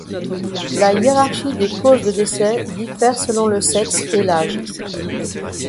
La hiérarchie des causes de décès diffère selon le sexe et l'âge.